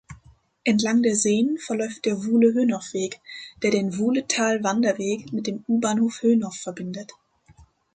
Entlang der Seen verläuft der "Wuhle-Hönow-Weg", der den Wuhletal-Wanderweg mit dem U-Bahnhof Hönow verbindet.